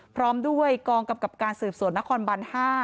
พร้อมด้วยกองกำกับการสืบสวนนครบัน๕